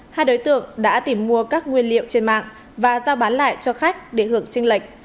hai đối tượng đã tìm mua các nguyên liệu trên mạng và giao bán lại cho khách để hưởng trinh lệch